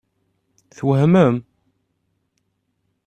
Twehmem?